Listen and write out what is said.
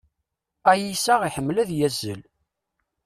Ayyis-a iḥemmel ad yazzel.